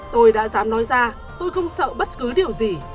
tôi đã dám nói ra tôi không sợ bất cứ điều gì